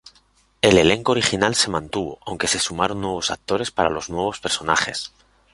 El elenco original se mantuvo, aunque se sumaron nuevos actores para los nuevos personajes.